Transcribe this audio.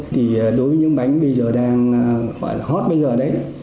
thì đối với những bánh bây giờ đang gọi là hot bây giờ đấy